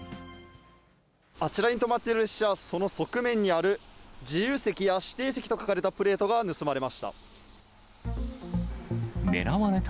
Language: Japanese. あちらに止まっている列車、その側面にある自由席や指定席と書かれたプレートが盗まれました。